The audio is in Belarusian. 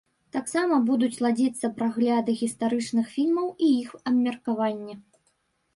Таксама будуць ладзіцца прагляды гістарычных фільмаў і іх абмеркаванне.